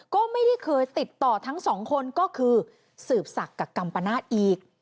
ก็ไม่ได้เคยติดต่อทั้งสองคนก็คือสืบศักดิ์กับกัมปนาศอีก